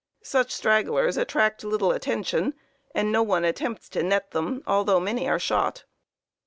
Such stragglers attract little attention, and no one attempts to net them, although many are shot.